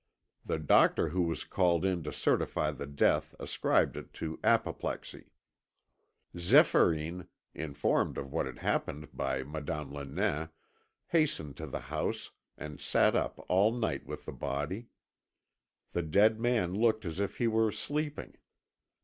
The doctor who was called in to certify the death ascribed it to apoplexy. Zéphyrine, informed of what had happened by Madame Lenain, hastened to the house, and sat up all night with the body. The dead man looked as if he were sleeping.